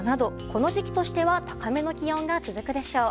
この時期としては高めの気温が続くでしょう。